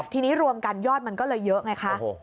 ทีนี้รวมกันยอดมันก็เลยเยอะไงคะ